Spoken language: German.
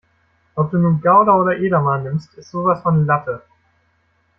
Ob du nun Gouda oder Edamer nimmst, ist sowas von Latte.